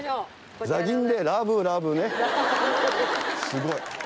「すごい。